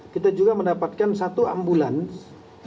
kita juga mendapatkan satu ambulans